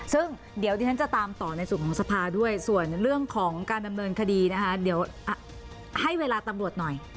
ซึ่งเดี๋ยวดิฉันจะตามต่อในส่วนของสภาด้วยส่วนเรื่องของการดำเนินคดีนะคะเดี๋ยวให้เวลาตำรวจหน่อย